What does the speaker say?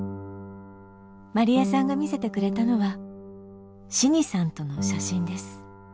まりえさんが見せてくれたのは信義さんとの写真です。